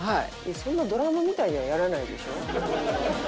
そんなドラムみたいにはやらないでしょ？